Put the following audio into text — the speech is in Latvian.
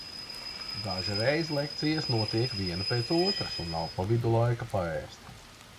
Dažreiz lekcijas notiek viena pēc otras un nav pa vidu laika paēst.